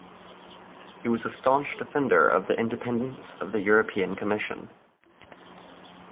He was a staunch defender of the independence of the European Commission.